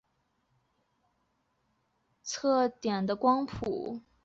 而集成视场摄谱仪可以实现在二维焦面任意位置同时观测多点的光谱。